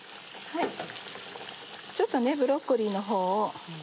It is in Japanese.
ちょっとブロッコリーのほうを。